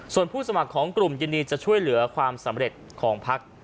ส่วนผู้สมัครของกลุ่มยินดีจะช่วยเหลือความสำเร็จของพัก